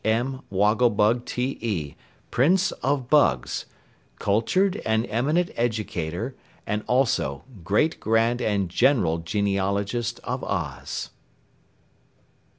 M. WOGGLEBUG T.E., PRINCE OF BUGS, Cultured and Eminent Educator and also Great Grand and General Genealogist of Oz.